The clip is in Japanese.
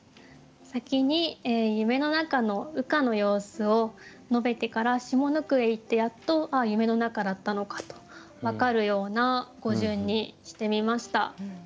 先に夢のなかの羽化の様子を述べてから下の句へいってやっと夢のなかだったのかと分かるような語順にしてみました。